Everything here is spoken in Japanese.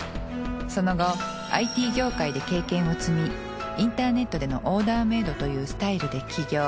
その後ＩＴ業界で経験を積みインターネットでのオーダーメイドというスタイルで起業